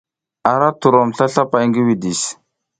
A ra turom slaslapay ngi widis.